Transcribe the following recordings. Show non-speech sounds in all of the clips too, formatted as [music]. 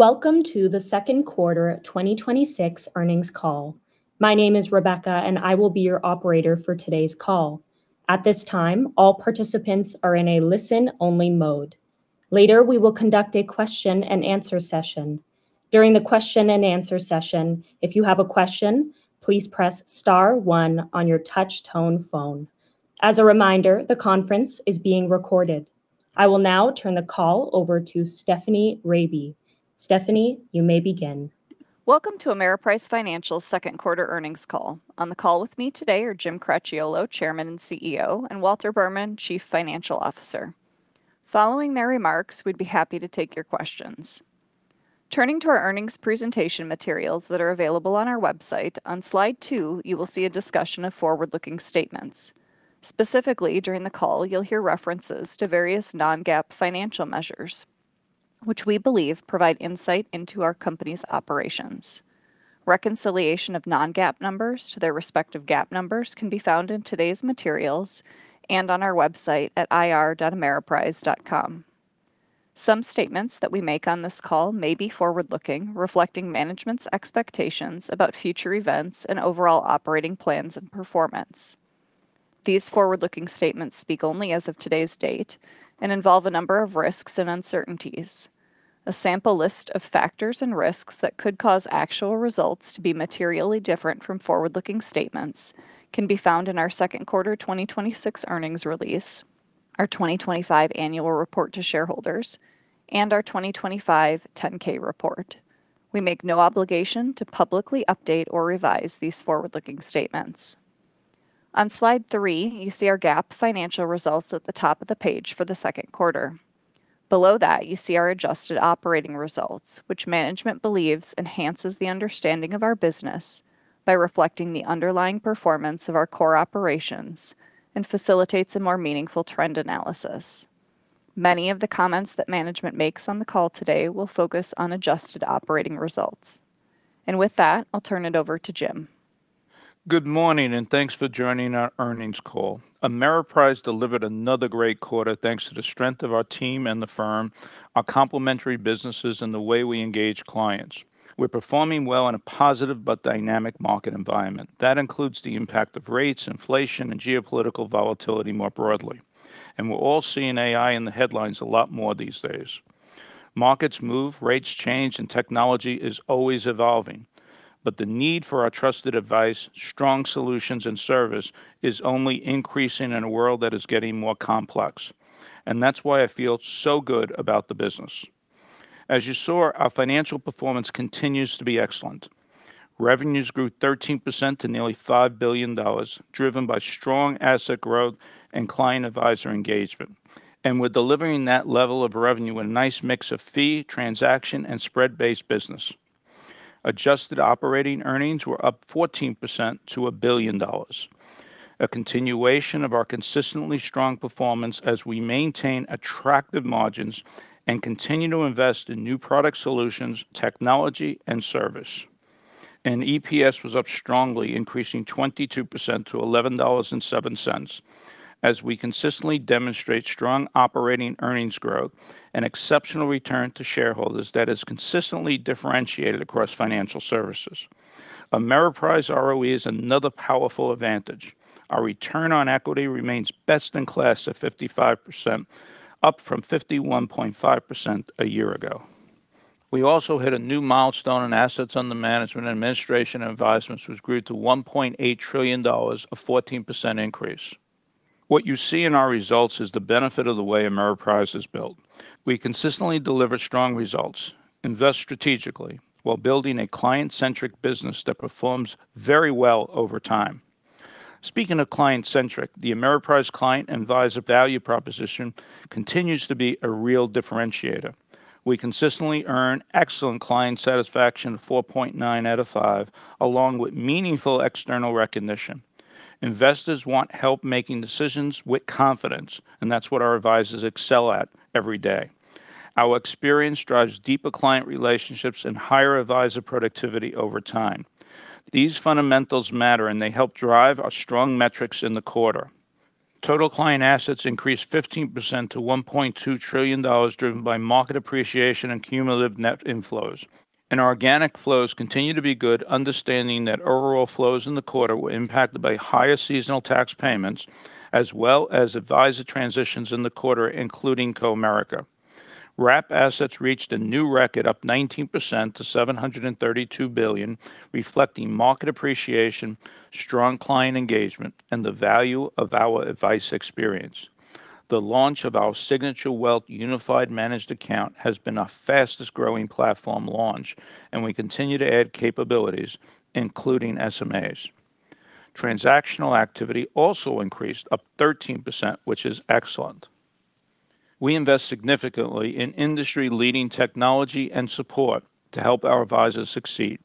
Welcome to the second quarter 2026 earnings call. My name is Rebecca, and I will be your operator for today's call. At this time, all participants are in a listen-only mode. Later, we will conduct a question-and-answer session. During the question and answer session, if you have a question, please press star one on your touch-tone phone. As a reminder, the conference is being recorded. I will now turn the call over to Stephanie Rabe. Stephanie, you may begin. Welcome to Ameriprise Financial's second quarter earnings call. On the call with me today are Jim Cracchiolo, Chairman and CEO, and Walter Berman, Chief Financial Officer. Following their remarks, we'd be happy to take your questions. Turning to our earnings presentation materials that are available on our website, on slide two you will see a discussion of forward-looking statements. Specifically during the call you'll hear references to various non-GAAP financial measures, which we believe provide insight into our company's operations. Reconciliation of non-GAAP numbers to their respective GAAP numbers can be found in today's materials and on our website at ir.ameriprise.com. Some statements that we make on this call may be forward-looking, reflecting management's expectations about future events and overall operating plans and performance. These forward-looking statements speak only as of today's date and involve a number of risks and uncertainties. A sample list of factors and risks that could cause actual results to be materially different from forward-looking statements can be found in our second quarter 2026 earnings release, our 2025 Annual Report to shareholders, and our 2025 Form 10-K report. We make no obligation to publicly update or revise these forward-looking statements. On slide three, you see our GAAP financial results at the top of the page for the second quarter. Below that, you see our adjusted operating results, which management believes enhances the understanding of our business by reflecting the underlying performance of our core operations and facilitates a more meaningful trend analysis. Many of the comments that management makes on the call today will focus on adjusted operating results. With that, I'll turn it over to Jim. Good morning, thanks for joining our earnings call. Ameriprise delivered another great quarter thanks to the strength of our team and the firm, our complementary businesses, and the way we engage clients. We're performing well in a positive but dynamic market environment. That includes the impact of rates, inflation, and geopolitical volatility more broadly. We're all seeing AI in the headlines a lot more these days. Markets move, rates change, technology is always evolving. The need for our trusted advice, strong solutions, and service is only increasing in a world that is getting more complex, that's why I feel so good about the business. As you saw, our financial performance continues to be excellent. Revenues grew 13% to nearly $5 billion, driven by strong asset growth and client advisor engagement. We're delivering that level of revenue with a nice mix of fee, transaction, and spread-based business. Adjusted operating earnings were up 14% to $1 billion. A continuation of our consistently strong performance as we maintain attractive margins and continue to invest in new product solutions, technology, and service. EPS was up strongly, increasing 22% to $11.07 as we consistently demonstrate strong operating earnings growth and exceptional return to shareholders that is consistently differentiated across financial services. Ameriprise ROE is another powerful advantage. Our return on equity remains best in class at 55%, up from 51.5% a year ago. We also hit a new milestone in assets under management and administration advisements, which grew to $1.8 trillion, a 14% increase. What you see in our results is the benefit of the way Ameriprise is built. We consistently deliver strong results, invest strategically, while building a client-centric business that performs very well over time. Speaking of client-centric, the Ameriprise client advisor value proposition continues to be a real differentiator. We consistently earn excellent client satisfaction of 4.9 out of five, along with meaningful external recognition. Investors want help making decisions with confidence, and that's what our advisors excel at every day. Our experience drives deeper client relationships and higher advisor productivity over time. These fundamentals matter, and they help drive our strong metrics in the quarter. Total client assets increased 15% to $1.2 trillion, driven by market appreciation and cumulative net inflows. Our organic flows continue to be good, understanding that overall flows in the quarter were impacted by higher seasonal tax payments as well as advisor transitions in the quarter, including Comerica. Wrap assets reached a new record, up 19% to $732 billion, reflecting market appreciation, strong client engagement, and the value of our advice experience. The launch of our Signature Wealth Unified Managed Account has been our fastest-growing platform launch, and we continue to add capabilities, including SMAs. Transactional activity also increased, up 13%, which is excellent. We invest significantly in industry-leading technology and support to help our advisors succeed.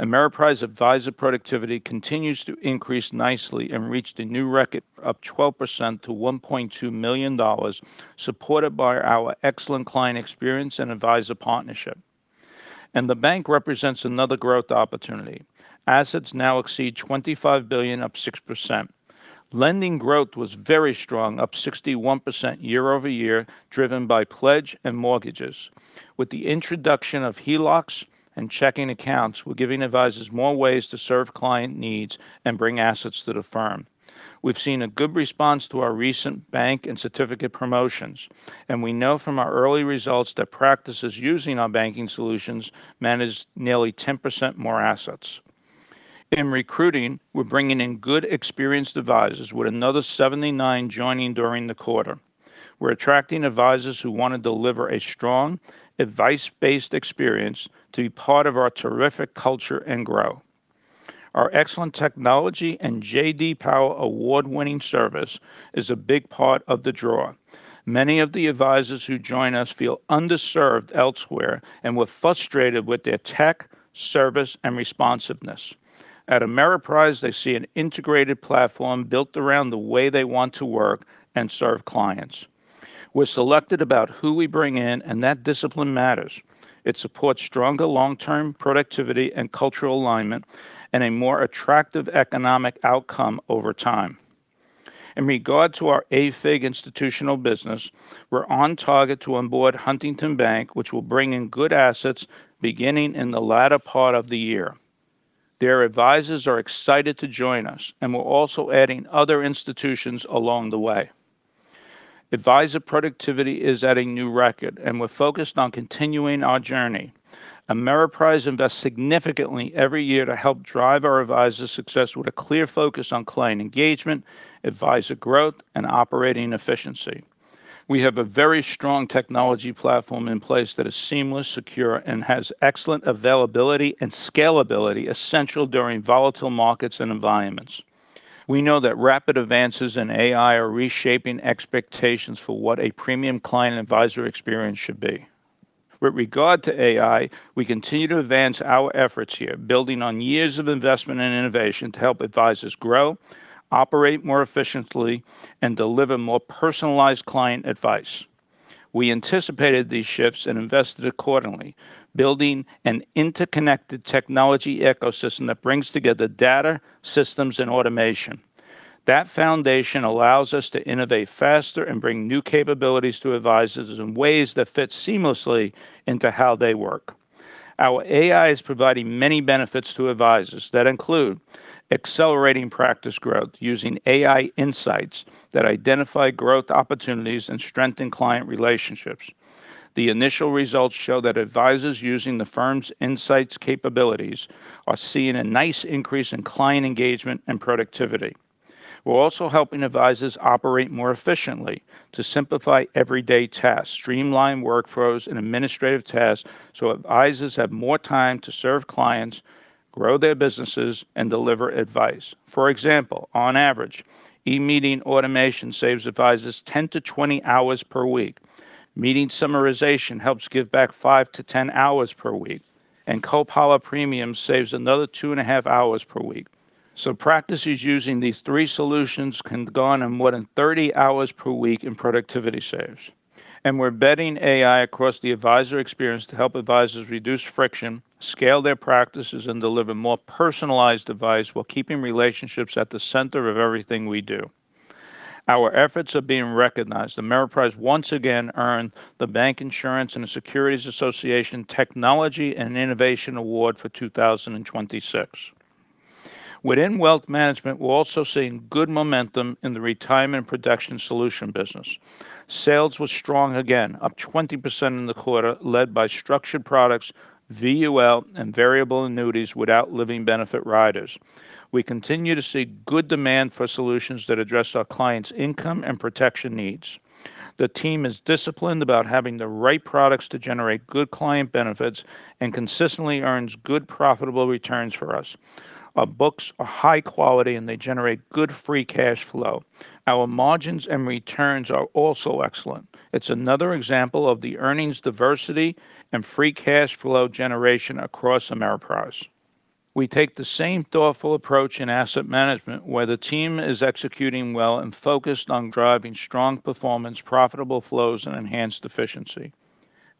Ameriprise advisor productivity continues to increase nicely and reached a new record, up 12% to $1.2 million, supported by our excellent client experience and advisor partnership. The bank represents another growth opportunity. Assets now exceed $25 billion, up 6%. Lending growth was very strong, up 61% year-over-year, driven by pledge and mortgages. With the introduction of HELOCs and checking accounts, we're giving advisors more ways to serve client needs and bring assets to the firm. We've seen a good response to our recent bank and certificate promotions. We know from our early results that practices using our banking solutions manage nearly 10% more assets. In recruiting, we're bringing in good, experienced advisors, with another 79 joining during the quarter. We're attracting advisors who want to deliver a strong advice-based experience to be part of our terrific culture and grow. Our excellent technology and J.D. Power award-winning service is a big part of the draw. Many of the advisors who join us feel underserved elsewhere and were frustrated with their tech, service, and responsiveness. At Ameriprise, they see an integrated platform built around the way they want to work and serve clients. We're selected about who we bring in. That discipline matters. It supports stronger long-term productivity and cultural alignment and a more attractive economic outcome over time. In regard to our AFIG institutional business, we're on target to onboard Huntington Bank, which will bring in good assets beginning in the latter part of the year. Their advisors are excited to join us, and we're also adding other institutions along the way. Advisor productivity is at a new record, and we're focused on continuing our journey. Ameriprise invests significantly every year to help drive our advisors' success with a clear focus on client engagement, advisor growth, and operating efficiency. We have a very strong technology platform in place that is seamless, secure, and has excellent availability and scalability essential during volatile markets and environments. We know that rapid advances in AI are reshaping expectations for what a premium client advisor experience should be. With regard to AI, we continue to advance our efforts here, building on years of investment and innovation to help advisors grow, operate more efficiently, and deliver more personalized client advice. We anticipated these shifts and invested accordingly, building an interconnected technology ecosystem that brings together data, systems, and automation. That foundation allows us to innovate faster and bring new capabilities to advisors in ways that fit seamlessly into how they work. Our AI is providing many benefits to advisors that include accelerating practice growth using AI insights that identify growth opportunities and strengthen client relationships. The initial results show that advisors using the firm's insights capabilities are seeing a nice increase in client engagement and productivity. We're also helping advisors operate more efficiently to simplify everyday tasks, streamline workflows, and administrative tasks so advisors have more time to serve clients, grow their businesses, and deliver advice. For example, on average, e-meeting automation saves advisors 10-20 hours per week. Meeting summarization helps give back five-10 hours per week, Copilot Premium saves another 2.5 hours per week. Practices using these three solutions can go on more than 30 hours per week in productivity saves. We're embedding AI across the advisor experience to help advisors reduce friction, scale their practices, and deliver more personalized advice while keeping relationships at the center of everything we do. Our efforts are being recognized. Ameriprise once again earned the Bank Insurance & Securities Association Technology and Innovation Award for 2026. Within wealth management, we're also seeing good momentum in the Retirement Protection Solutions business. Sales were strong again, up 20% in the quarter, led by structured products, VUL, and variable annuities without living benefit riders. We continue to see good demand for solutions that address our clients' income and protection needs. The team is disciplined about having the right products to generate good client benefits and consistently earns good profitable returns for us. Our books are high quality, and they generate good free cash flow. Our margins and returns are also excellent. It's another example of the earnings diversity and free cash flow generation across Ameriprise. We take the same thoughtful approach in asset management, where the team is executing well and focused on driving strong performance, profitable flows, and enhanced efficiency.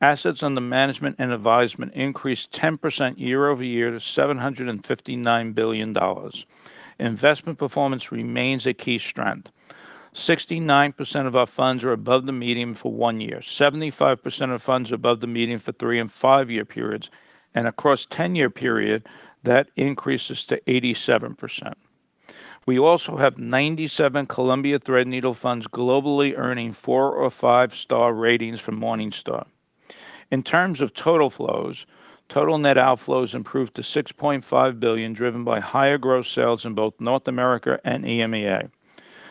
Assets under management and advisement increased 10% year-over-year to $759 billion. Investment performance remains a key strength. 69% of our funds are above the median for one year, 75% of funds above the median for three-year and five-year periods, and across a 10-year period, that increases to 87%. We also have 97 Columbia Threadneedle funds globally, earning four-star or five-star ratings from Morningstar. In terms of total flows, total net outflows improved to $6.5 billion, driven by higher gross sales in both North America and EMEA.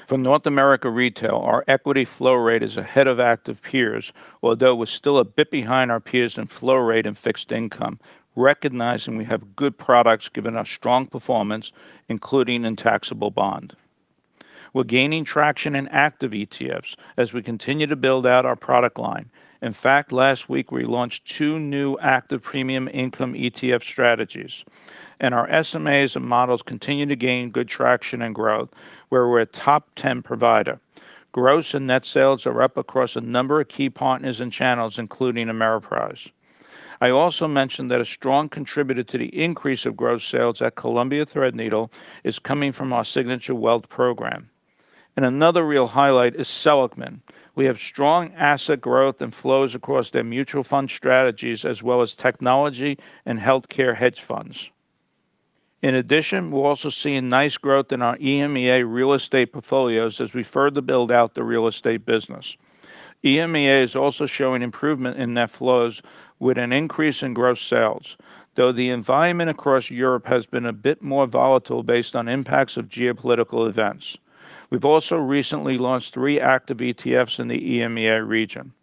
From North America retail, our equity flow rate is ahead of active peers. Although we're still a bit behind our peers in flow rate and fixed income, recognizing we have good products given our strong performance, including in taxable bond. We're gaining traction in active ETFs as we continue to build out our product line. In fact, last week, we launched two new active premium income ETF strategies. Our SMAs and models continue to gain good traction and growth, where we're a top 10 provider. Gross and net sales are up across a number of key partners and channels, including Ameriprise. I also mentioned that a strong contributor to the increase of gross sales at Columbia Threadneedle is coming from our Signature Wealth Program. Another real highlight is Seligman. We have strong asset growth and flows across their mutual fund strategies, as well as technology and healthcare hedge funds. In addition, we're also seeing nice growth in our EMEA real estate portfolios as we further build out the real estate business. EMEA is also showing improvement in net flows with an increase in gross sales, though the environment across Europe has been a bit more volatile based on impacts of geopolitical events. We've also recently launched three active ETFs in the EMEA region.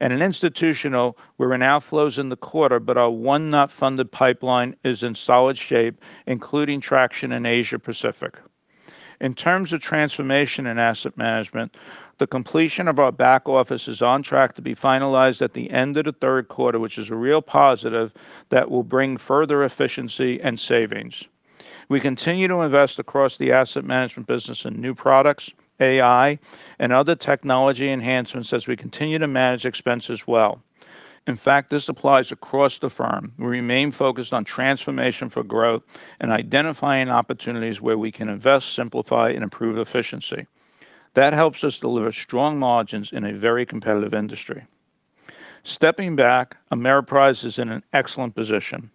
In institutional, we're in outflows in the quarter, but our one not funded pipeline is in solid shape, including traction in Asia Pacific. In terms of transformation in asset management, the completion of our back office is on track to be finalized at the end of the third quarter, which is a real positive that will bring further efficiency and savings. We continue to invest across the asset management business in new products, AI, and other technology enhancements as we continue to manage expenses well. In fact, this applies across the firm. We remain focused on transformation for growth and identifying opportunities where we can invest, simplify, and improve efficiency. That helps us deliver strong margins in a very competitive industry. Stepping back, Ameriprise is in an excellent position.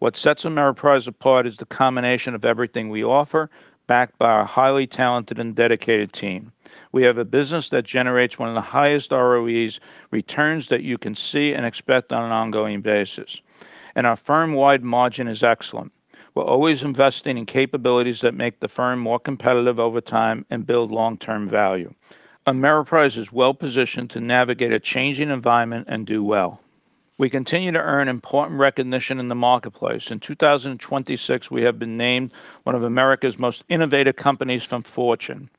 What sets Ameriprise apart is the combination of everything we offer, backed by our highly talented and dedicated team. We have a business that generates one of the highest ROEs, returns that you can see and expect on an ongoing basis. Our firm-wide margin is excellent. We're always investing in capabilities that make the firm more competitive over time and build long-term value. Ameriprise is well-positioned to navigate a changing environment and do well. We continue to earn important recognition in the marketplace. In 2026, we have been named one of America's Most Innovative Companies from Fortune,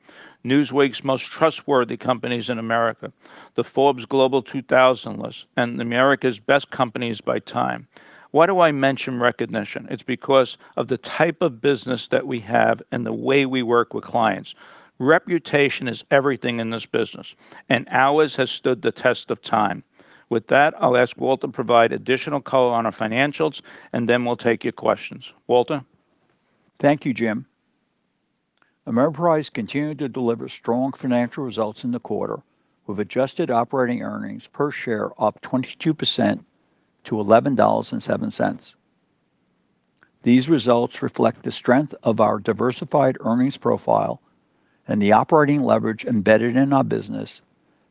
Newsweek's Most Trustworthy Companies in America, the Forbes Global 2000 list, and America's Best Companies by TIME. Why do I mention recognition? It's because of the type of business that we have and the way we work with clients. Reputation is everything in this business, and ours has stood the test of time. With that, I'll ask Walt to provide additional color on our financials, and then we'll take your questions. Walter? Thank you, Jim. Ameriprise continued to deliver strong financial results in the quarter, with adjusted operating earnings per share up 22% to $11.07. These results reflect the strength of our diversified earnings profile and the operating leverage embedded in our business,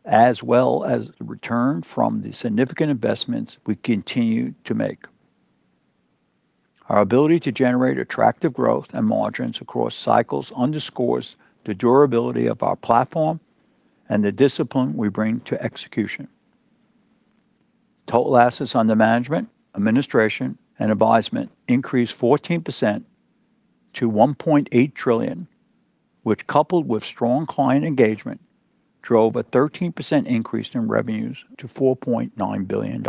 as well as the return from the significant investments we continue to make. Our ability to generate attractive growth and margins across cycles underscores the durability of our platform and the discipline we bring to execution. Total assets under management, administration, and advisement increased 14% to $1.8 trillion, with coupled with strong client engagement, drove a 13% increase in revenues to $4.9 billion.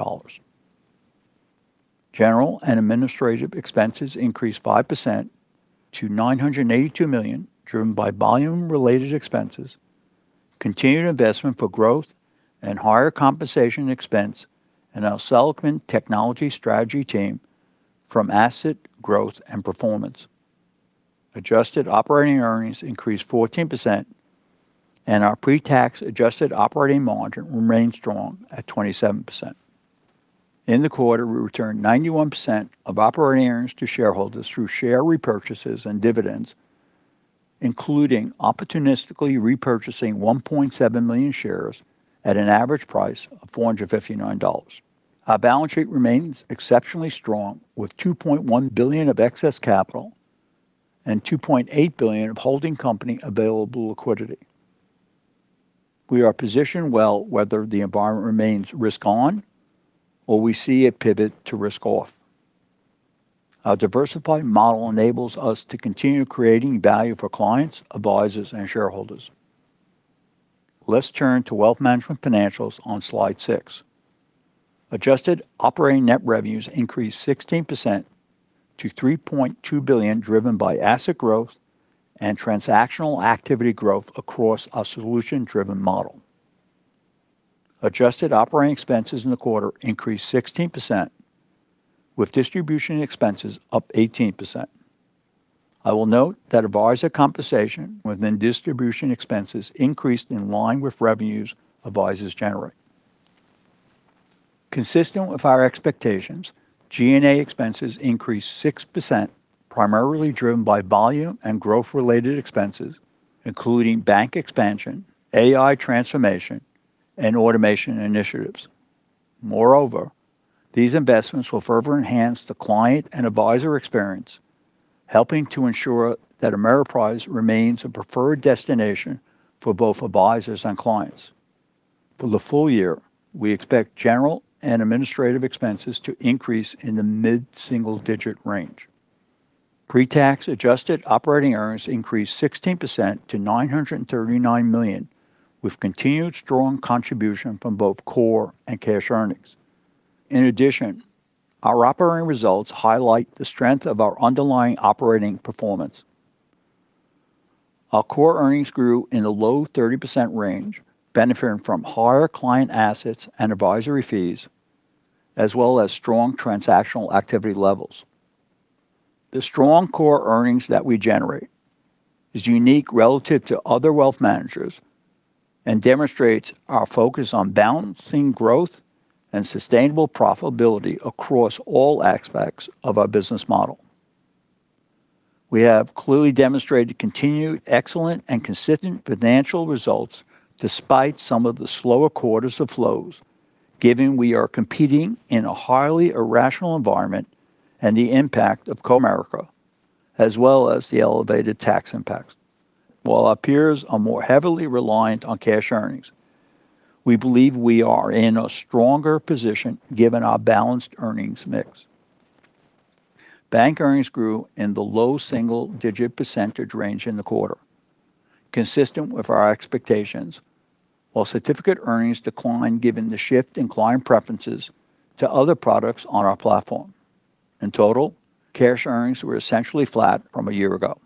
General and administrative expenses increased 5% to $982 million, driven by volume-related expenses, continued investment for growth, and higher compensation expense in our Seligman technology strategy team from asset growth and performance. Adjusted operating earnings increased 14%. Our pre-tax adjusted operating margin remained strong at 27%. In the quarter, we returned 91% of operating earnings to shareholders through share repurchases and dividends, including opportunistically repurchasing 1.7 million shares at an average price of $459. Our balance sheet remains exceptionally strong, with $2.1 billion of excess capital and $2.8 billion of holding company available liquidity. We are positioned well whether the environment remains risk-on or we see a pivot to risk-off. Our diversified model enables us to continue creating value for clients, advisors, and shareholders. Let's turn to wealth management financials on slide six. Adjusted operating net revenues increased 16% to $3.2 billion, driven by asset growth and transactional activity growth across our solution-driven model. Adjusted operating expenses in the quarter increased 16%, with distribution expenses up 18%. I will note that advisor compensation within distribution expenses increased in line with revenues advisors generate. Consistent with our expectations, G&A expenses increased 6%, primarily driven by volume and growth-related expenses, including bank expansion, AI transformation, and automation initiatives. Moreover, these investments will further enhance the client and advisor experience, helping to ensure that Ameriprise remains a preferred destination for both advisors and clients. For the full year, we expect general and administrative expenses to increase in the mid-single-digit range. Pre-tax adjusted operating earnings increased 16% to $939 million, with continued strong contribution from both core and cash earnings. Our operating results highlight the strength of our underlying operating performance. Our core earnings grew in the low 30% range, benefiting from higher client assets and advisory fees, as well as strong transactional activity levels. The strong core earnings that we generate is unique relative to other wealth managers and demonstrates our focus on balancing growth and sustainable profitability across all aspects of our business model. We have clearly demonstrated continued excellent and consistent financial results despite some of the slower quarters of flows, given we are competing in a highly irrational environment and the impact of Comerica, as well as the elevated tax impacts. While our peers are more heavily reliant on cash earnings, we believe we are in a stronger position given our balanced earnings mix. Bank earnings grew in the low single-digit percentage range in the quarter, consistent with our expectations, while certificate earnings declined given the shift in client preferences to other products on our platform. In total, cash earnings were essentially flat from a year ago.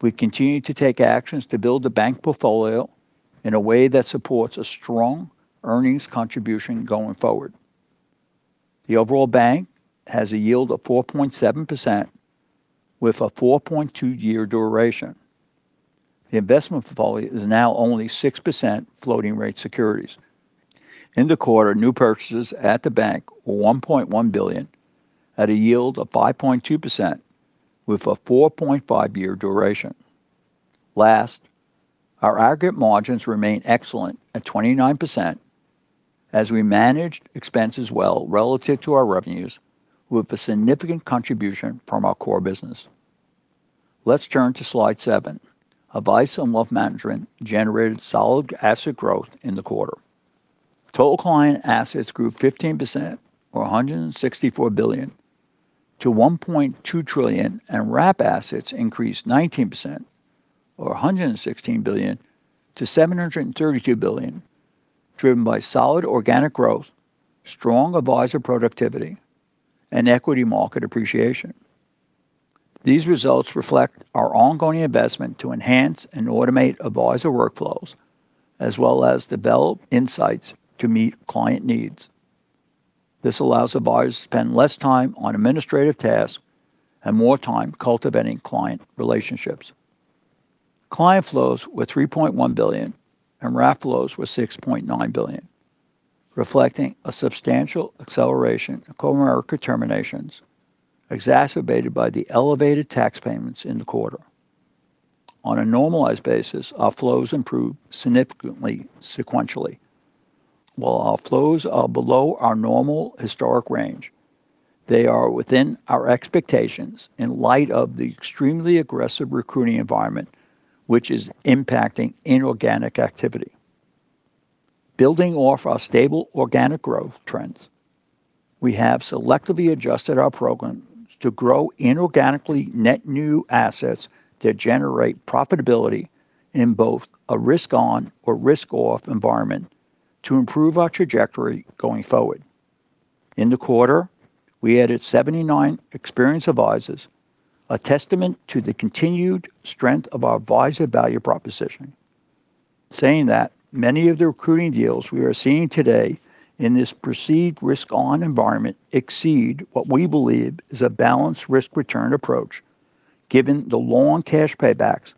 We continue to take actions to build the bank portfolio in a way that supports a strong earnings contribution going forward. The overall bank has a yield of 4.7% with a 4.2-year duration. The investment portfolio is now only 6% floating-rate securities. In the quarter, new purchases at the bank were $1.1 billion at a yield of 5.2% with a 4.5-year duration. Last, our aggregate margins remain excellent at 29% as we managed expenses well relative to our revenues with a significant contribution from our core business. Let's turn to slide seven. Advice & Wealth Management generated solid asset growth in the quarter. Total client assets grew 15%, or $164 billion, to $1.2 trillion, and wrap assets increased 19%, or $116 billion, to $732 billion, driven by solid organic growth, strong advisor productivity, and equity market appreciation. These results reflect our ongoing investment to enhance and automate advisor workflows, as well as develop insights to meet client needs. This allows advisors to spend less time on administrative tasks and more time cultivating client relationships. Client flows were $3.1 billion, and wrap flows were $6.9 billion, reflecting a substantial acceleration of Comerica terminations, exacerbated by the elevated tax payments in the quarter. On a normalized basis, our flows improved significantly sequentially. While our flows are below our normal historic range, they are within our expectations in light of the extremely aggressive recruiting environment, which is impacting inorganic activity. Building off our stable organic growth trends, we have selectively adjusted our programs to grow inorganically net new assets that generate profitability in both a risk-on or risk-off environment to improve our trajectory going forward. In the quarter, we added 79 experienced advisors, a testament to the continued strength of our advisor value proposition. Saying that, many of the recruiting deals we are seeing today in this perceived risk-on environment exceed what we believe is a balanced risk-return approach, given the long cash paybacks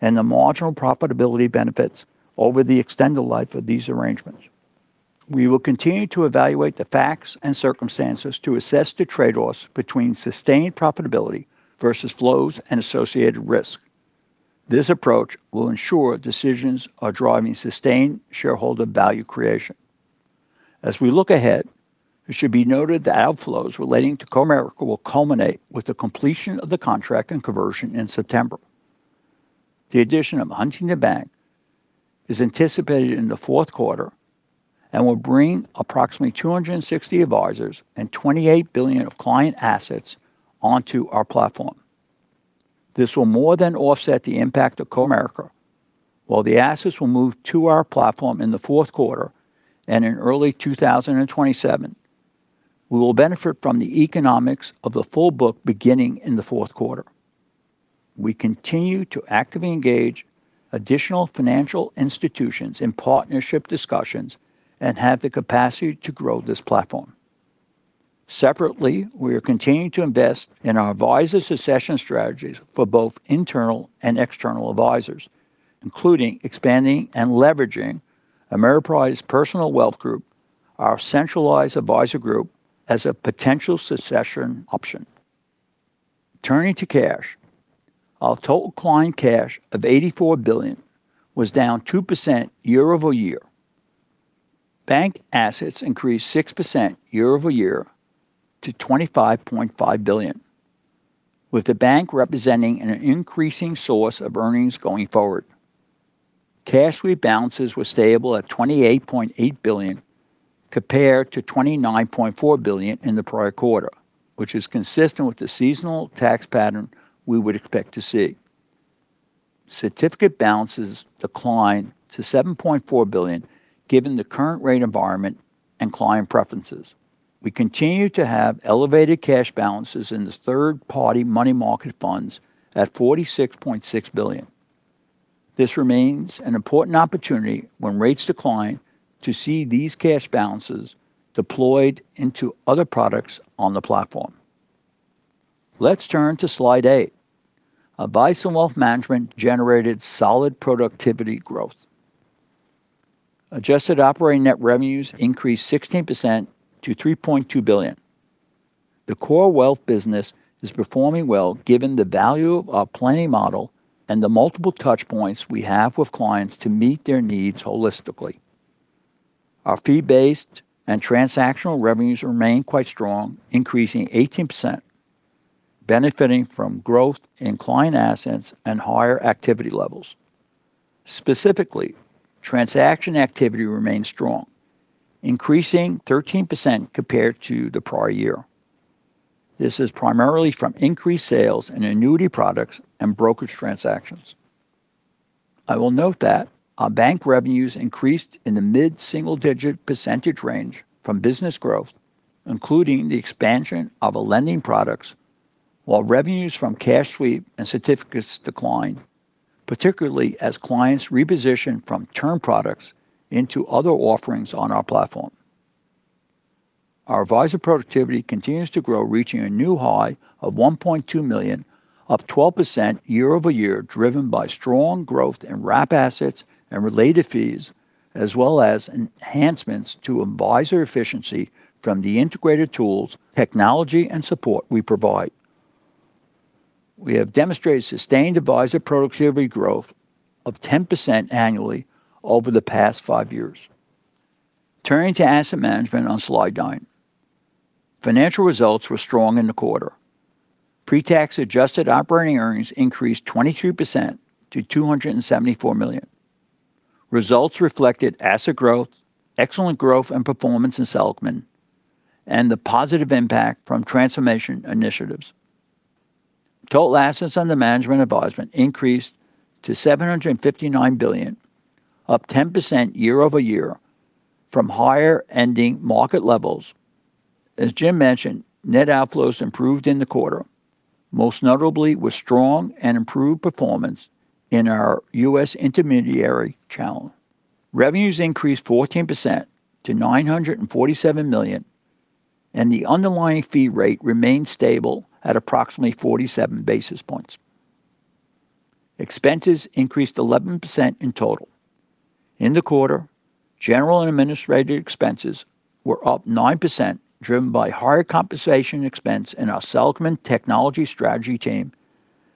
and the marginal profitability benefits over the extended life of these arrangements. We will continue to evaluate the facts and circumstances to assess the trade-offs between sustained profitability versus flows and associated risk. This approach will ensure decisions are driving sustained shareholder value creation. As we look ahead, it should be noted that outflows relating to Comerica will culminate with the completion of the contract and conversion in September. The addition of Huntington Bank is anticipated in the fourth quarter and will bring approximately 260 advisors and $28 billion of client assets onto our platform. This will more than offset the impact of Comerica. While the assets will move to our platform in the fourth quarter and in early 2027, we will benefit from the economics of the full book beginning in the fourth quarter. We continue to actively engage additional financial institutions in partnership discussions and have the capacity to grow this platform. Separately, we are continuing to invest in our advisor succession strategies for both internal and external advisors, including expanding and leveraging Ameriprise Personal Wealth Group, our centralized advisor group, as a potential succession option. Turning to cash, our total client cash of $84 billion was down 2% year-over-year. Bank assets increased 6% year-over-year to $25.5 billion, with the bank representing an increasing source of earnings going forward. Cash balances were stable at $28.8 billion compared to $29.4 billion in the prior quarter, which is consistent with the seasonal tax pattern we would expect to see. Certificate balances declined to $7.4 billion given the current rate environment and client preferences. We continue to have elevated cash balances in the third-party money market funds at $46.6 billion. This remains an important opportunity when rates decline to see these cash balances deployed into other products on the platform. Let's turn to slide eight. Advice & Wealth Management generated solid productivity growth. Adjusted operating net revenues increased 16% to $3.2 billion. The core wealth business is performing well given the value of our planning model and the multiple touch points we have with clients to meet their needs holistically. Our fee-based and transactional revenues remain quite strong, increasing 18%, benefiting from growth in client assets and higher activity levels. Transaction activity remains strong, increasing 13% compared to the prior year. This is primarily from increased sales in annuity products and brokerage transactions. I will note that our bank revenues increased in the mid-single-digit percentage range from business growth, including the expansion of lending products, while revenues from cash sweep and certificates declined, particularly as clients repositioned from term products into other offerings on our platform. Our advisor productivity continues to grow, reaching a new high of $1.2 million, up 12% year-over-year, driven by strong growth in wrap assets and related fees, as well as enhancements to advisor efficiency from the integrated tools, technology, and support we provide. We have demonstrated sustained advisor productivity growth of 10% annually over the past five years. Turning to asset management on slide nine. Financial results were strong in the quarter. Pre-tax adjusted operating earnings increased 23% to $274 million. Results reflected asset growth, excellent growth and performance in Seligman, and the positive impact from transformation initiatives. Total assets under management advisement increased to $759 billion, up 10% year-over-year from higher ending market levels. As Jim mentioned, net outflows improved in the quarter, most notably with strong and improved performance in our U.S. intermediary channel. Revenues increased 14% to $947 million, and the underlying fee rate remained stable at approximately 47 basis points. Expenses increased 11% in total. In the quarter, general and administrative expenses were up 9%, driven by higher compensation expense in our Seligman technology strategy team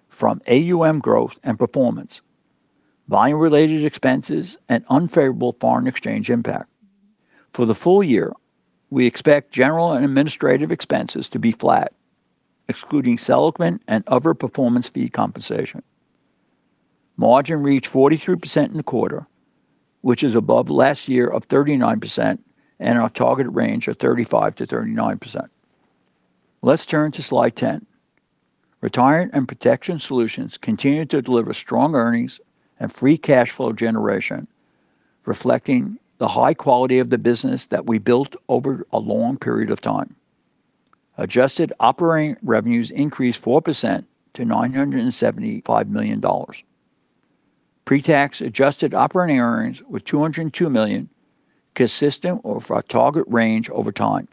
from AUM growth and performance, volume-related expenses, and unfavorable foreign exchange impact. For the full year, we expect general and administrative expenses to be flat, excluding Seligman and other performance fee compensation. Margin reached 43% in the quarter, which is above last year of 39% and our target range of 35%-39%. Let's turn to slide 10. Retirement Protection Solutions continued to deliver strong earnings and free cash flow generation, reflecting the high quality of the business that we built over a long period of time. Adjusted operating revenues increased 4% to $975 million. Pre-tax adjusted operating earnings were $202 million, consistent with our target range over time.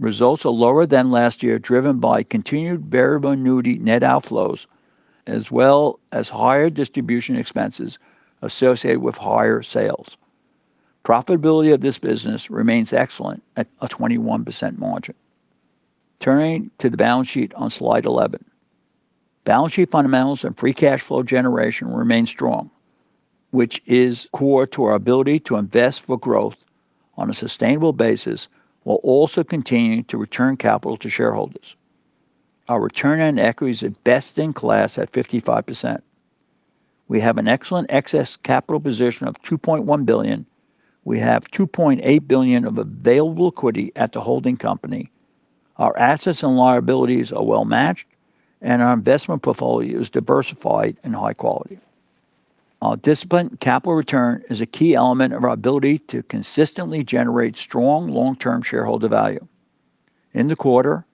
Results are lower than last year, driven by continued variable annuity net outflows, as well as higher distribution expenses associated with higher sales. Profitability of this business remains excellent at a 21% margin. Turning to the balance sheet on slide 11. Balance sheet fundamentals and free cash flow generation remain strong, which is core to our ability to invest for growth on a sustainable basis while also continuing to return capital to shareholders. Our return on equity is best in class at 55%. We have an excellent excess capital position of $2.1 billion. We have $2.8 billion of available liquidity at the holding company. Our assets and liabilities are well-matched, and our investment portfolio is diversified and high quality. Our disciplined capital return is a key element of our ability to consistently generate strong long-term shareholder value. In the quarter,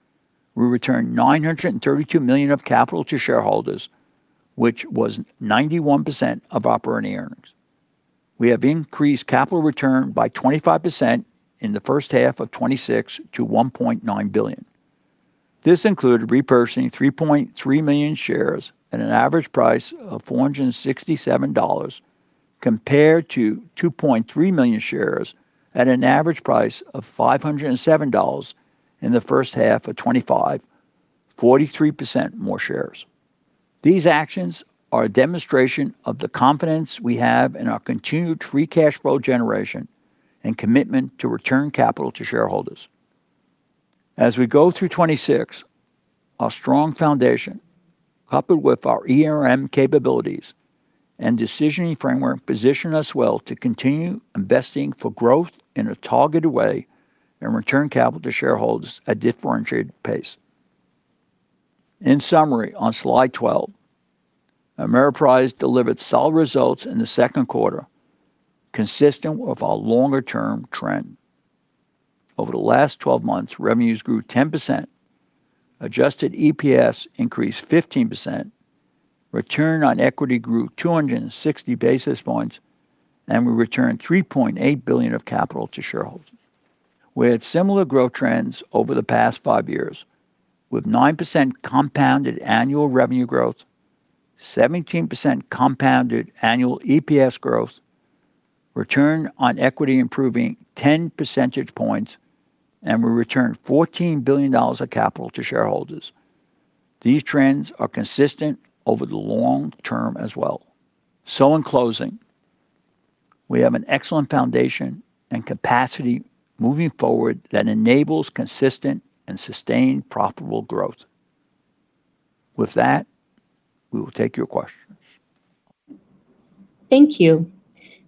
we returned $932 million of capital to shareholders, which was 91% of operating earnings. We have increased capital return by 25% in the first half of 2026 to $1.9 billion. This included repurchasing 3.3 million shares at an average price of $467, compared to 2.3 million shares at an average price of $507 in the first half of 2025, 43% more shares. These actions are a demonstration of the confidence we have in our continued free cash flow generation and commitment to return capital to shareholders. As we go through 2026, our strong foundation, coupled with our ERM capabilities and decisioning framework, position us well to continue investing for growth in a targeted way and return capital to shareholders at a differentiated pace. In summary, on slide 12, Ameriprise delivered solid results in the second quarter, consistent with our longer-term trend. Over the last 12 months, revenues grew 10%, adjusted EPS increased 15%, return on equity grew 260 basis points, and we returned $3.8 billion of capital to shareholders. We had similar growth trends over the past five years, with 9% compounded annual revenue growth, 17% compounded annual EPS growth, return on equity improving 10 percentage points, and we returned $14 billion of capital to shareholders. These trends are consistent over the long term as well. In closing, we have an excellent foundation and capacity moving forward that enables consistent and sustained profitable growth. With that, we will take your questions. Thank you.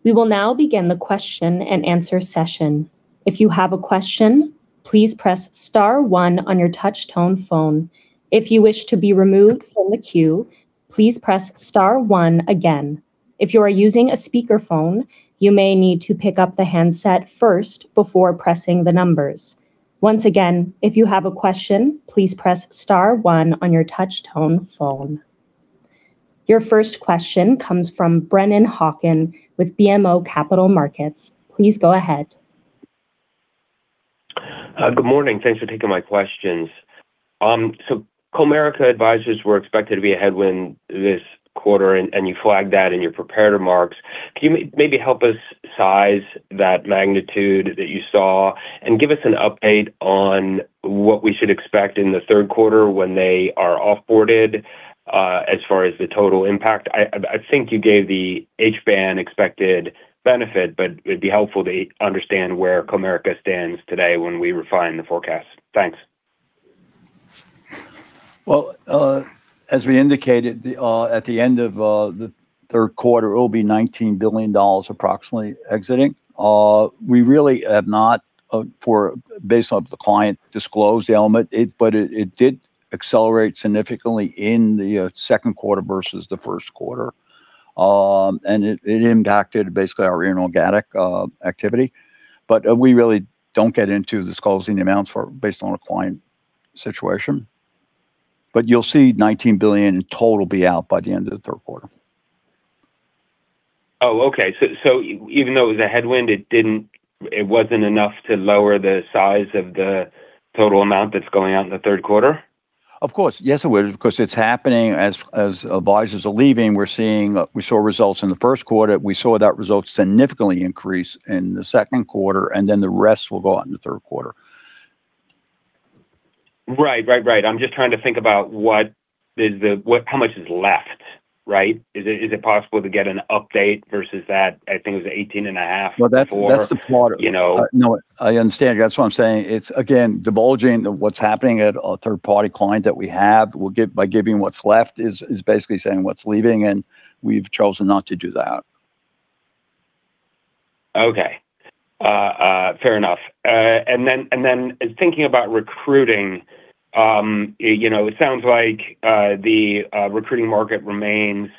We will now begin the question-and-answer session. If you have a question, please press star one on your touch-tone phone. If you wish to be removed from the queue, please press star one again. If you are using a speakerphone, you may need to pick up the handset first before pressing the numbers. Once again, if you have a question, please press star one on your touch-tone phone. Your first question comes from Brennan Hawken with BMO Capital Markets. Please go ahead. Good morning. Thanks for taking my questions. Comerica advisers were expected to be a headwind this quarter, and you flagged that in your prepared remarks. Can you maybe help us size that magnitude that you saw and give us an update on what we should expect in the third quarter when they are off-boarded, as far as the total impact? I think you gave the HBAN expected benefit, but it would be helpful to understand where Comerica stands today when we refine the forecast. Thanks. As we indicated, at the end of the third quarter, it will be $19 billion approximately exiting. We really have not, based on the client disclosed element, but it did accelerate significantly in the second quarter versus the first quarter. It impacted basically our inorganic activity. We really don't get into disclosing the amounts based on a client situation. You will see $19 billion in total be out by the end of the third quarter. Even though it was a headwind, it wasn't enough to lower the size of the total amount that's going out in the third quarter? Of course. Yes, it would. Of course, it's happening. As advisers are leaving, we saw results in the first quarter. We saw that result significantly increase in the second quarter, the rest will go out in the third quarter. Right. I'm just trying to think about how much is left, right? Is it possible to get an update versus that, I think it was 18.5 before- Well, that's the part- you know? No, I understand. That's what I'm saying. It's again, divulging what's happening at a third-party client that we have. By giving what's left is basically saying what's leaving, and we've chosen not to do that. Okay. Fair enough. Thinking about recruiting, it sounds like the recruiting market remains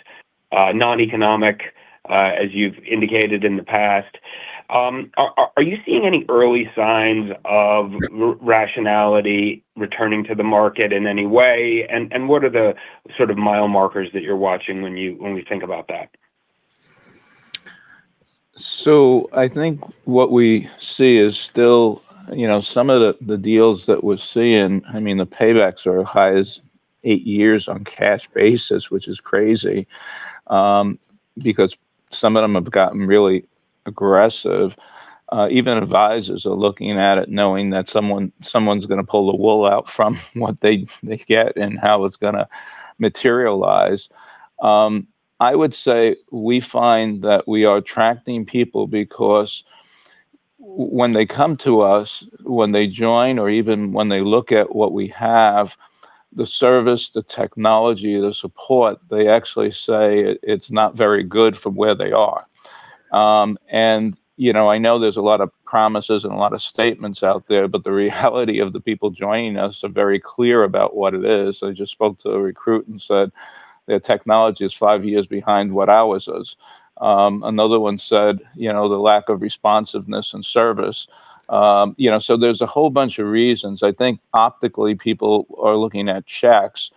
non-economic, as you've indicated in the past. Are you seeing any early signs of rationality returning to the market in any way? What are the sort of mile markers that you're watching when we think about that? I think what we see is still some of the deals that we're seeing, I mean, the paybacks are as high as eight years on a cash basis, which is crazy, because some of them have gotten really aggressive. Even advisers are looking at it knowing that someone's going to pull the wool out from what they get and how it's going to materialize. I would say we find that we are attracting people because when they come to us, when they join, or even when they look at what we have, the service, the technology, the support, they actually say it's not very good from where they are. I know there's a lot of promises and a lot of statements out there, but the reality of the people joining us are very clear about what it is. I just spoke to a recruit and said their technology is five years behind what ours is. Another one said the lack of responsiveness and service. There's a whole bunch of reasons. I think optically, people are looking at checks,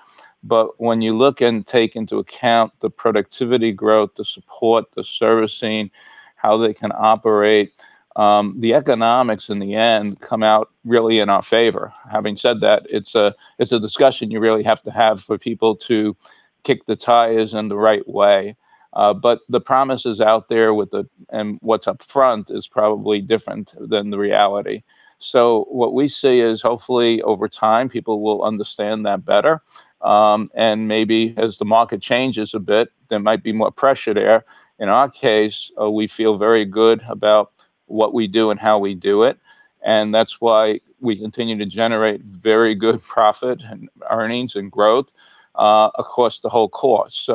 but when you look and take into account the productivity growth, the support, the servicing, how they can operate, the economics in the end come out really in our favor. Having said that, it's a discussion you really have to have for people to kick the tires in the right way. The promises out there with what's up front is probably different than the reality. What we see is hopefully over time, people will understand that better. Maybe as the market changes a bit, there might be more pressure there. In our case, we feel very good about what we do and how we do it, That's why we continue to generate very good profit and earnings and growth across the whole course.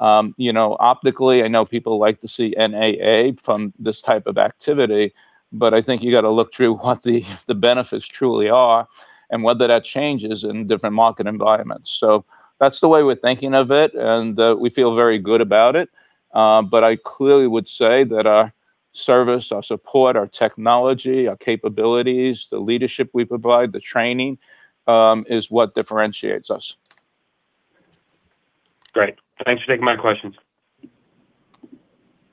Optically, I know people like to see NAA from this type of activity, but I think you've got to look through what the benefits truly are and whether that changes in different market environments. That's the way we're thinking of it, and we feel very good about it. I clearly would say that our service, our support, our technology, our capabilities, the leadership we provide, the training, is what differentiates us. Great. Thanks for taking my questions.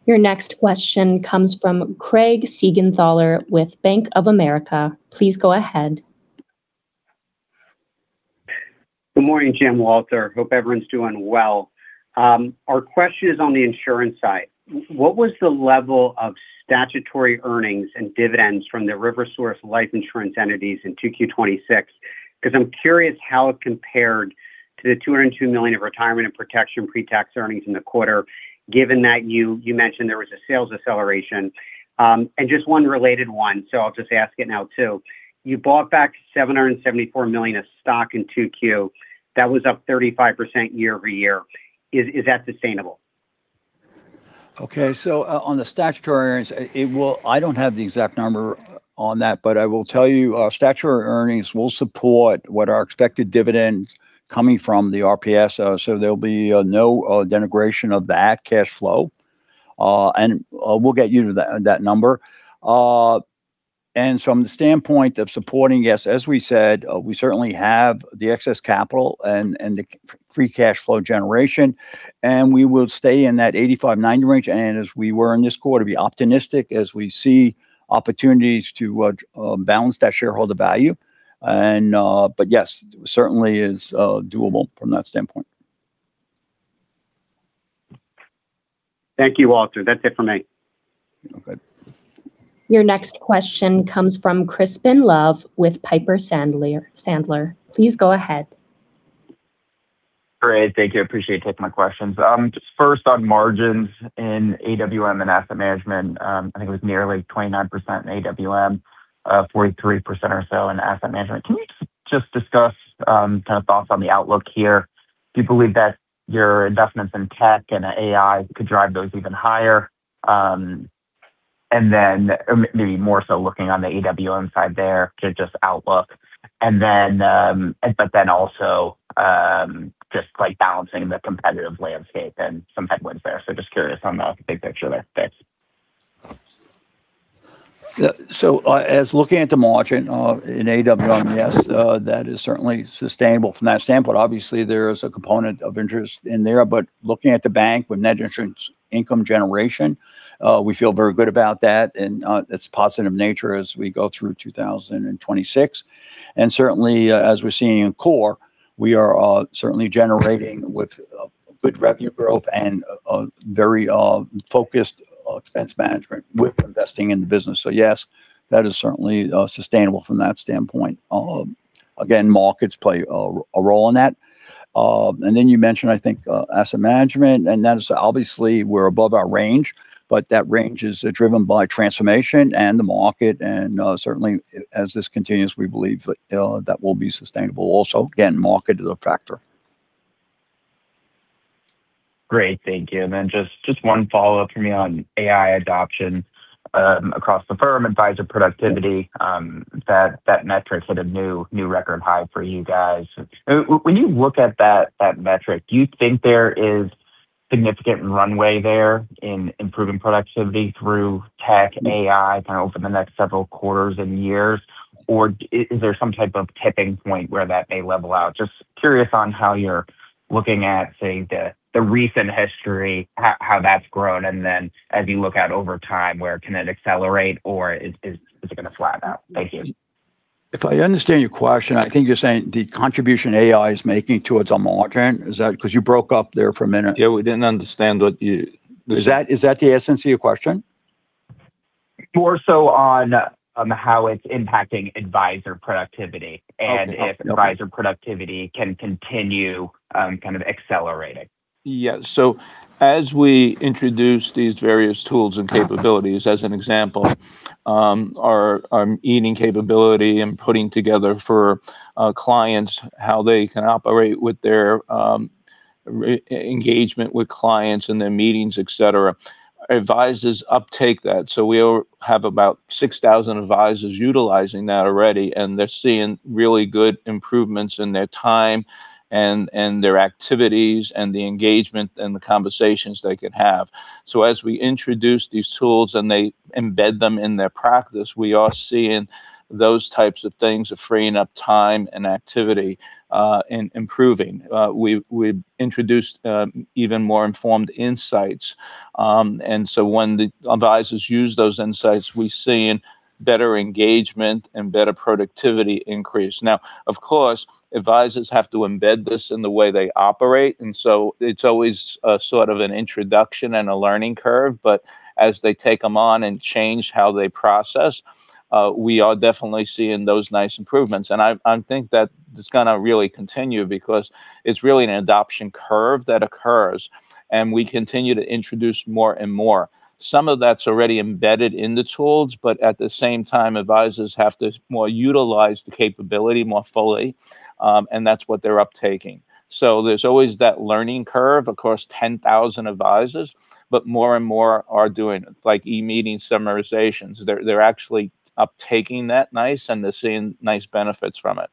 Your next question comes from Craig Siegenthaler with Bank of America. Please go ahead. Good morning, Jim, Walter. Hope everyone's doing well. Our question is on the insurance side. What was the level of statutory earnings and dividends from the RiverSource Life Insurance entities in 2Q 2026? Because I'm curious how it compared to the $202 million Retirement Protection Solutions pre-tax earnings in the quarter, given that you mentioned there was a sales acceleration. Just one related one, so I'll just ask it now, too. You bought back $774 million of stock in 2Q. That was up 35% year-over-year. Is that sustainable? Okay. On the statutory earnings, I don't have the exact number on that, but I will tell you statutory earnings will support what our expected dividends coming from the RPS, so there'll be no denigration of that cash flow. We'll get you that number. From the standpoint of supporting, yes, as we said, we certainly have the excess capital and the free cash flow generation, and we will stay in that 85-90 range, and as we were in this quarter, be optimistic as we see opportunities to balance that shareholder value. Yes, certainly is doable from that standpoint. Thank you, Walter. That's it for me. Okay. Your next question comes from Crispin Love with Piper Sandler. Please go ahead. Great. Thank you. Appreciate you taking my questions. Just first on margins in AWM and asset management, I think it was nearly 29% in AWM, 43% or so in asset management. Can you just discuss kind of thoughts on the outlook here? Do you believe that your investments in tech and AI could drive those even higher? Maybe more so looking on the AWM side there to just outlook. Also, just balancing the competitive landscape and some headwinds there. Just curious on the big picture there. Thanks. As looking at the margin in AWM, yes, that is certainly sustainable from that standpoint. Obviously, there is a component of interest in there. Looking at the bank with net insurance income generation, we feel very good about that and its positive nature as we go through 2026. Certainly, as we're seeing in core, we are certainly generating with good revenue growth and very focused expense management with investing in the business. Yes, that is certainly sustainable from that standpoint. Again, markets play a role in that. Then you mentioned, I think, asset management, and that is obviously we're above our range, but that range is driven by transformation and the market, and certainly as this continues, we believe that will be sustainable also. Again, market is a factor. Great. Thank you. Then just one follow-up from me on AI adoption across the firm, advisor productivity, that metric set a new record high for you guys. When you look at that metric, do you think there is significant runway there in improving productivity through tech and AI kind of over the next several quarters and years? Or is there some type of tipping point where that may level out? Just curious on how you're looking at, say, the recent history, how that's grown, and then as you look out over time, where can it accelerate or is it going to flatten out? Thank you. If I understand your question, I think you're saying the contribution AI is making towards our margin. Is that it? Because you broke up there for a minute. Yeah, we didn't understand what you- Is that the essence of your question? More so on how it's impacting advisor productivity. Okay. If advisor productivity can continue kind of accelerating. Yeah. As we introduce these various tools and capabilities, as an example, our [AI-meeting] capability and putting together for clients how they can operate with their engagement with clients and their meetings, et cetera, advisors uptake that. We have about 6,000 advisors utilizing that already, and they're seeing really good improvements in their time, and their activities, and the engagement, and the conversations they could have. As we introduce these tools and they embed them in their practice, we are seeing those types of things of freeing up time and activity and improving. We've introduced even more informed insights. When the advisors use those insights, we've seen better engagement and better productivity increase. Now, of course, advisors have to embed this in the way they operate, it's always a sort of an introduction and a learning curve. As they take them on and change how they process, we are definitely seeing those nice improvements. I think that it's going to really continue because it's really an adoption curve that occurs, and we continue to introduce more and more. Some of that's already embedded in the tools, but at the same time, advisors have to more utilize the capability more fully, and that's what they're uptaking. There's always that learning curve across 10,000 advisors. More and more are doing it, like e-meeting summarizations. They're actually uptaking that nice, and they're seeing nice benefits from it.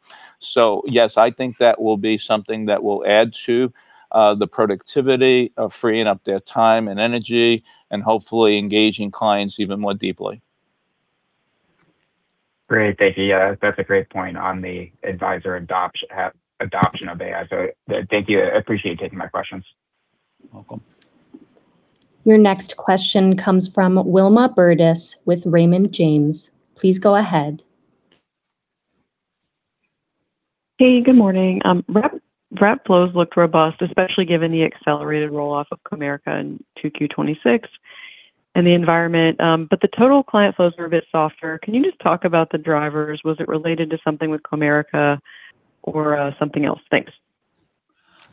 Yes, I think that will be something that will add to the productivity of freeing up their time and energy, and hopefully engaging clients even more deeply. Great. Thank you. Yeah. That's a great point on the advisor adoption of AI. Thank you. I appreciate you taking my questions. You're welcome. Your next question comes from Wilma Burdis with Raymond James. Please go ahead. Hey, good morning. Wrap flows looked robust, especially given the accelerated roll-off of Comerica in 2Q 2026 and the environment. The total client flows were a bit softer. Can you just talk about the drivers? Was it related to something with Comerica or something else? Thanks.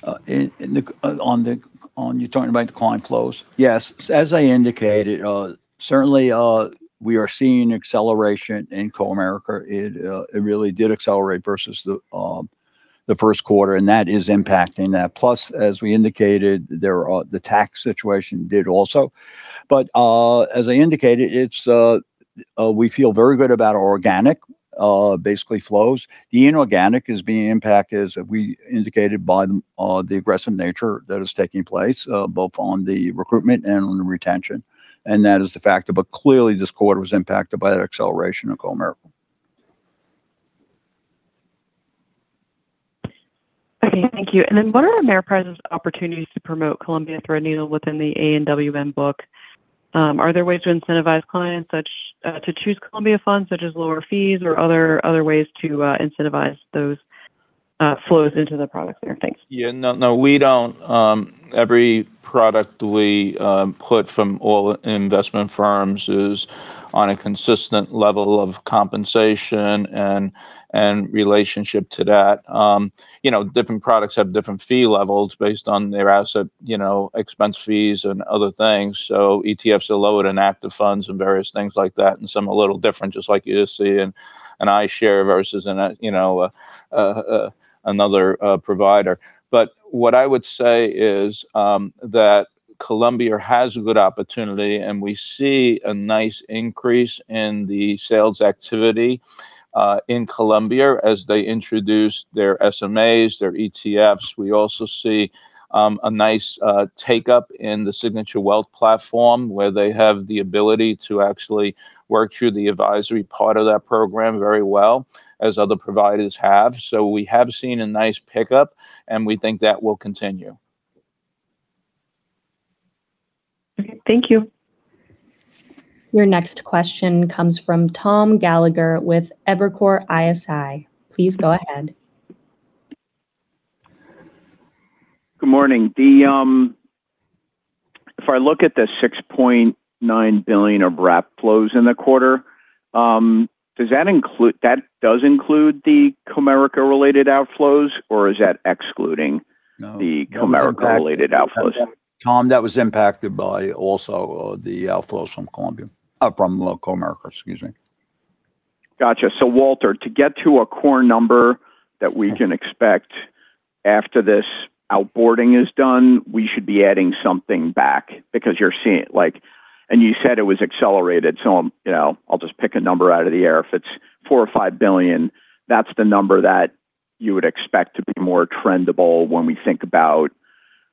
You're talking about the client flows. Yes. As I indicated, certainly we are seeing acceleration in Comerica. It really did accelerate versus the first quarter, and that is impacting that. Plus, as we indicated, the tax situation did also. As I indicated, we feel very good about our organic flows. The inorganic is being impacted, as we indicated, by the aggressive nature that is taking place, both on the recruitment and on the retention. That is the factor. Clearly this quarter was impacted by that acceleration of Comerica. Okay. Thank you. What are Ameriprise's opportunities to promote Columbia Threadneedle within the A&WM book? Are there ways to incentivize clients to choose Columbia funds, such as lower fees or other ways to incentivize those flows into the product there? Thanks. Yeah. No, we don't. Every product we put from all investment firms is on a consistent level of compensation and relationship to that. Different products have different fee levels based on their asset expense fees and other things. ETFs are lower than active funds and various things like that, and some are a little different, just like USC and iShares versus another provider. What I would say is that Columbia has a good opportunity, and we see a nice increase in the sales activity in Columbia as they introduce their SMAs, their ETFs. We also see a nice take-up in the Signature Wealth platform, where they have the ability to actually work through the advisory part of that program very well, as other providers have. We have seen a nice pickup, and we think that will continue. Okay. Thank you. Your next question comes from Tom Gallagher with Evercore ISI. Please go ahead. Good morning. If I look at the $6.9 billion of wrap flows in the quarter, does that include the Comerica-related outflows, or is that excluding the Comerica-related outflows? Tom, that was impacted by also the outflows from Comerica. Got you. Walter, to get to a core number that we can expect after this outboarding is done, we should be adding something back because you're seeing it. You said it was accelerated, so I'll just pick a number out of the air. If it's $4 billion or $5 billion, that's the number that you would expect to be more trendable when we think about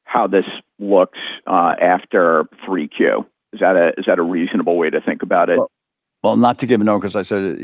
how this looks after 3Q. Is that a reasonable way to think about it? Well, not to give a number, because I said,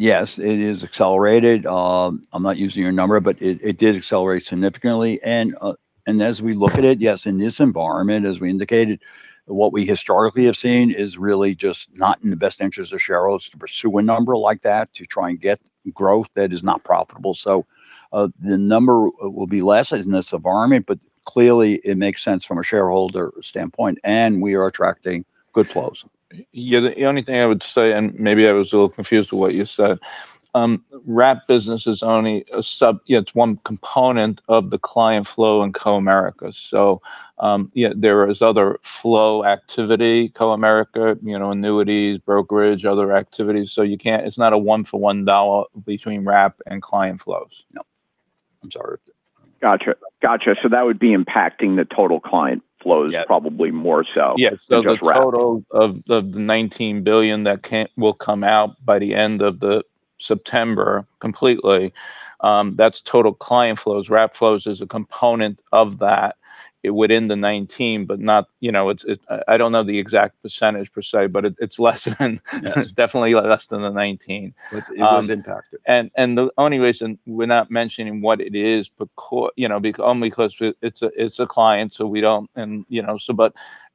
yes, it is accelerated. I'm not using your number, but it did accelerate significantly. As we look at it, yes, in this environment, as we indicated, what we historically have seen is really just not in the best interest of shareholders to pursue a number like that to try and get growth that is not profitable. The number will be less in this environment. Clearly it makes sense from a shareholder standpoint, and we are attracting good flows. Yeah. The only thing I would say, and maybe I was a little confused to what you said, wrap business is only one component of the client flow in Comerica. There is other flow activity, Comerica annuities, brokerage, other activities. It's not a one for one between wrap and client flows. No. I'm sorry. Got you. That would be impacting the total client flows- Yeah. probably more so. Yes. Just wrap. The total of the $19 billion that will come out by the end of September completely, that's total client flows. Wrap flows is a component of that within the $19 billion. I don't know the exact percentage per se, but it's less than, definitely less than the $19 billion. It was impacted. The only reason we're not mentioning what it is, only because it's a client, we don't.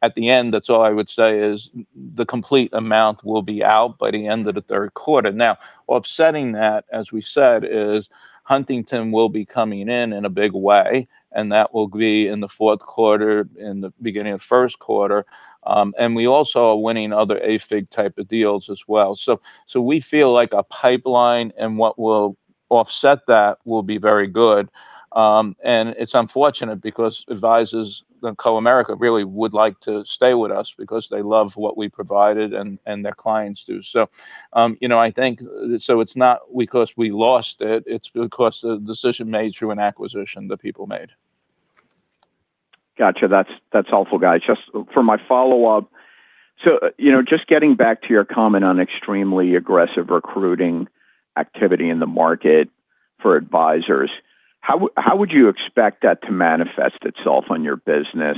At the end, that's all I would say is the complete amount will be out by the end of the third quarter. Offsetting that, as we said, is Huntington will be coming in in a big way, and that will be in the fourth quarter, in the beginning of first quarter. We also are winning other AFIG-type deals as well. We feel like our pipeline and what will offset that will be very good. It's unfortunate because advisors at Comerica really would like to stay with us because they love what we provided and their clients do. I think it's not because we lost it's because the decision made through an acquisition the people made. Got you. That's helpful, guys. Just for my follow-up, just getting back to your comment on extremely aggressive recruiting activity in the market for advisors, how would you expect that to manifest itself on your business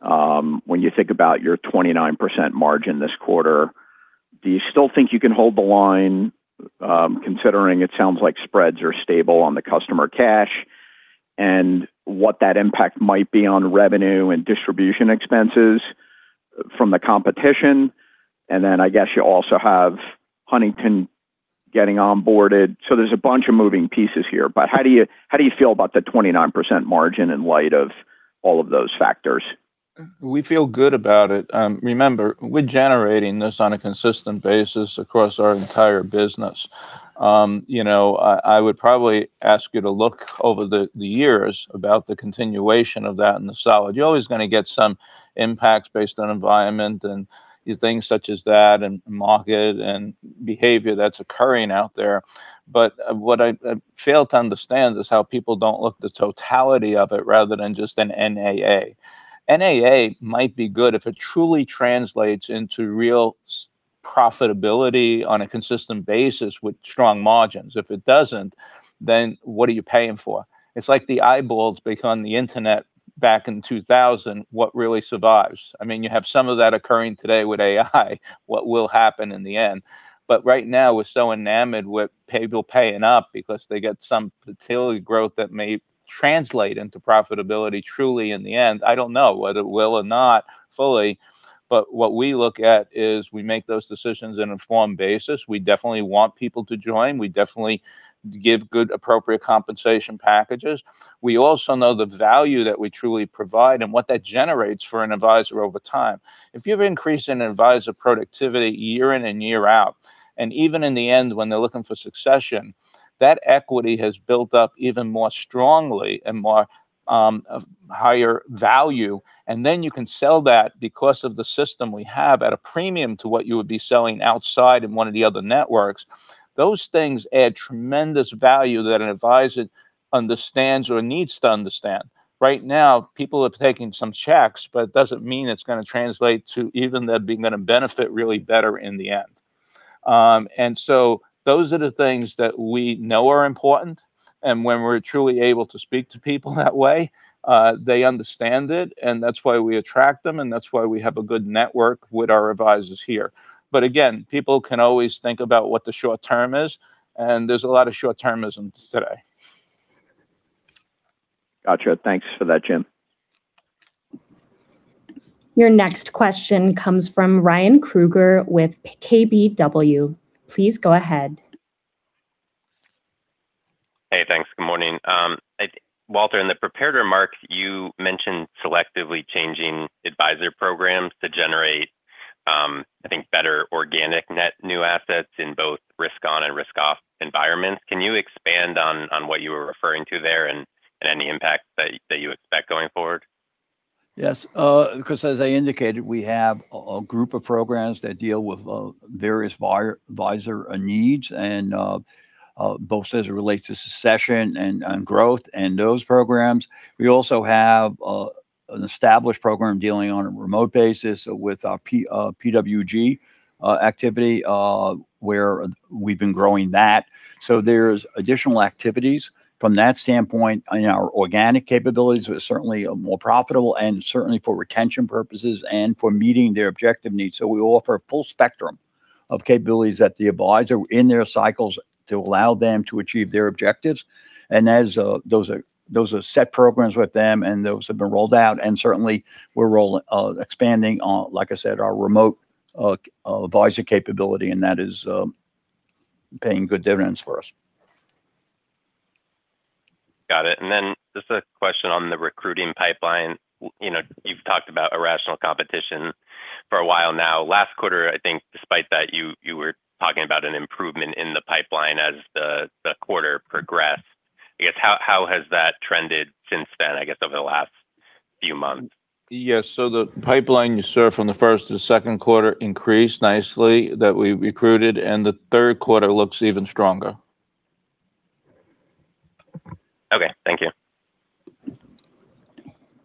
when you think about your 29% margin this quarter? Do you still think you can hold the line, considering it sounds like spreads are stable on the customer cash, and what that impact might be on revenue and distribution expenses from the competition? And then I guess you also have Huntington getting onboarded. There's a bunch of moving pieces here, but how do you feel about the 29% margin in light of all of those factors? We feel good about it. Remember, we're generating this on a consistent basis across our entire business. I would probably ask you to look over the years about the continuation of that and the solid. You're always going to get some impacts based on environment and things such as that, and market, and behavior that's occurring out there. What I fail to understand is how people don't look the totality of it rather than just an NAA. NAA might be good if it truly translates into real profitability on a consistent basis with strong margins. If it doesn't, then what are you paying for? It's like the eyeballs back on the internet back in 2000, what really survives? You have some of that occurring today with AI, what will happen in the end? Right now, we're so enamored with people paying up because they get some totality growth that may translate into profitability truly in the end. I don't know whether it will or not fully, but what we look at is we make those decisions in informed basis. We definitely want people to join. We definitely give good, appropriate compensation packages. We also know the value that we truly provide and what that generates for an advisor over time. If you're increasing advisor productivity year in and year out, and even in the end when they're looking for succession, that equity has built up even more strongly and more of higher value. Then you can sell that because of the system we have at a premium to what you would be selling outside in one of the other networks. Those things add tremendous value that an advisor understands or needs to understand. Right now, people are taking some checks, but it doesn't mean it's going to translate to even them being going to benefit really better in the end. Those are the things that we know are important, and when we're truly able to speak to people that way, they understand it, and that's why we attract them, and that's why we have a good network with our advisors here. Again, people can always think about what the short term is, and there's a lot of short-termism today. Got you. Thanks for that, Jim. Your next question comes from Ryan Krueger with KBW. Please go ahead. Hey, thanks. Good morning. Walter, in the prepared remarks, you mentioned selectively changing advisor programs to generate, I think, better organic net new assets in both risk on and risk off environments. Can you expand on what you were referring to there and any impact that you expect going forward? As I indicated, we have a group of programs that deal with various advisor needs, both as it relates to succession and growth in those programs. We also have an established program dealing on a remote basis with our PWG activity, where we have been growing that. There is additional activities from that standpoint in our organic capabilities, but certainly more profitable and certainly for retention purposes and for meeting their objective needs. We offer a full spectrum of capabilities that the advisor in their cycles to allow them to achieve their objectives. As those are set programs with them and those have been rolled out, certainly we are expanding on, like I said, our remote advisor capability. That is paying good dividends for us. Got it. Just a question on the recruiting pipeline. You have talked about irrational competition for a while now. Last quarter, I think despite that, you were talking about an improvement in the pipeline as the quarter progressed. I guess how has that trended since then, I guess, over the last few months? The pipeline you saw from the first to the second quarter increased nicely that we recruited. The third quarter looks even stronger. Okay. Thank you.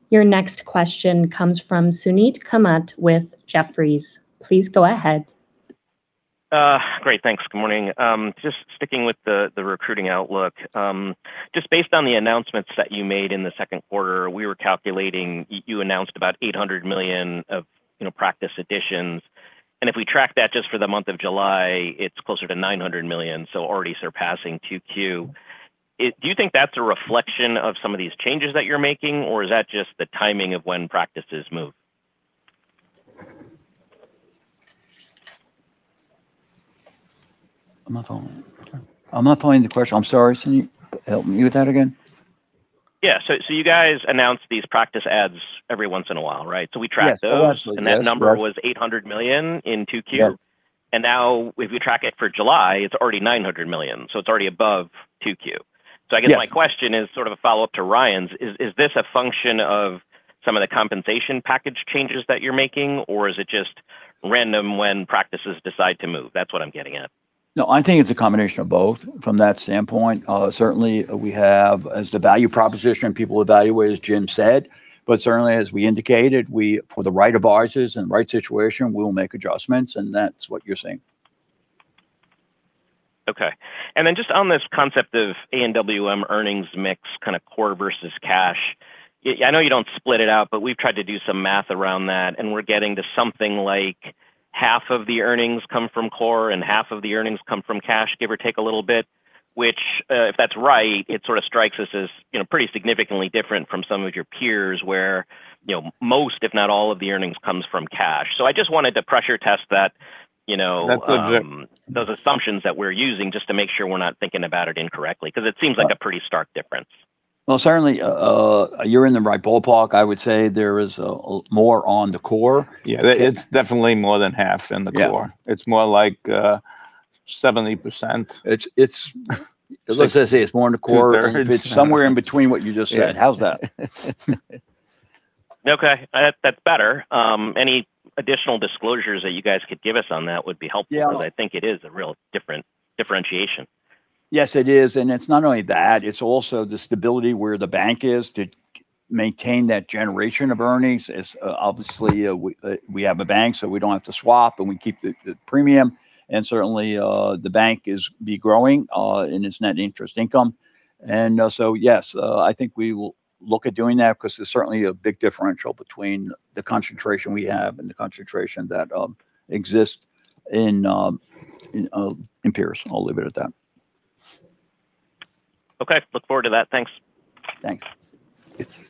Your next question comes from Suneet Kamath with Jefferies. Please go ahead. Great, thanks. Good morning. Just sticking with the recruiting outlook. Just based on the announcements that you made in the second quarter, we were calculating, you announced about $800 million of practice additions. If we track that just for the month of July, it's closer to $900 million, so already surpassing 2Q. Do you think that's a reflection of some of these changes that you're making, or is that just the timing of when practices move? I'm not following the question. I'm sorry, Suneet. Help me with that again? Yeah. You guys announce these practice ads every once in a while, right? We tracked those- Yes. Absolutely. Yes. and that number was $800 million in 2Q. Yes. Now if we track it for July, it's already $900 million, so it's already above 2Q. Yes. I guess my question is sort of a follow-up to Ryan's. Is this a function of some of the compensation package changes that you're making, or is it just random when practices decide to move? That's what I'm getting at. No, I think it's a combination of both from that standpoint. Certainly we have, as the value proposition people evaluate, as Jim said, but certainly as we indicated, for the right advisors and right situation, we'll make adjustments and that's what you're seeing. Okay. Just on this concept of A&WM earnings mix, kind of core versus cash. I know you don't split it out, but we've tried to do some math around that, and we're getting to something like half of the earnings come from core and half of the earnings come from cash, give or take a little bit. Which, if that's right, it sort of strikes us as pretty significantly different from some of your peers where most, if not all of the earnings comes from cash. I just wanted to pressure test that- That's good. [inaudible] those assumptions that we're using just to make sure we're not thinking about it incorrectly, because it seems like a pretty stark difference. Well, certainly, you're in the right ballpark. I would say there is more on the core. Yeah, it's definitely more than half in the core. Yeah. It's more like 70%. Let's just say it's more in the core. It's somewhere in between what you just said. How's that? Okay. That's better. Any additional disclosures that you guys could give us on that would be helpful. Yeah. I think it is a real differentiation. Yes, it is. It's not only that, it's also the stability where the bank is to maintain that generation of earnings. Obviously, we have a bank, so we don't have to swap, and we keep the premium, and certainly the bank is growing in its net interest income. Yes, I think we will look at doing that because there's certainly a big differential between the concentration we have and the concentration that exists in peers. I'll leave it at that. Okay. Look forward to that. Thanks. Thanks. It's. [inaudible]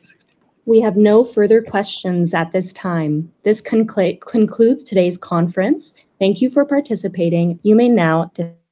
We have no further questions at this time. This concludes today's conference. Thank you for participating. You may now disconnect.